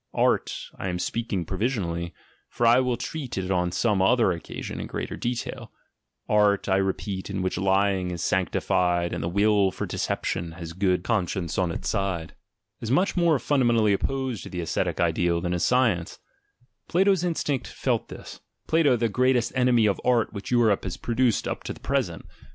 {Art, I am speaking provisionally, for I will treat it on some other occasion in greater detail, — art, I repeat, in which lying is sanctified and the will for deception has good conscience on its side, is much more fundamentally opposed to the ascetic ideal than is science: Plato's instinct felt this — Plato, the greatest enemy of art which Europe has pro duced up to the present.